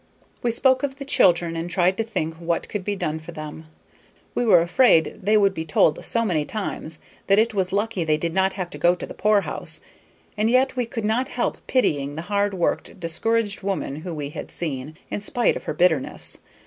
We spoke of the children, and tried to think what could be done for them: we were afraid they would be told so many times that it was lucky they did not have to go to the poor house, and yet we could not help pitying the hard worked, discouraged woman whom we had seen, in spite of her bitterness.